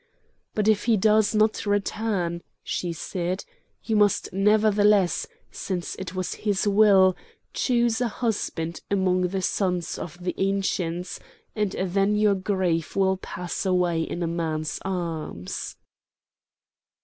"But if he does not return," she said, "you must nevertheless, since it was his will, choose a husband among the sons of the Ancients, and then your grief will pass away in a man's arms."